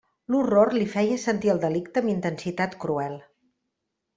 L'horror li feia sentir el delicte amb intensitat cruel.